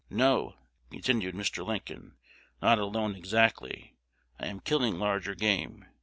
"No," continued Mr. Lincoln, "not alone exactly: I am killing larger game.